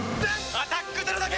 「アタックＺＥＲＯ」だけ！